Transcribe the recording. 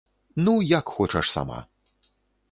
Ну, як хочаш сама.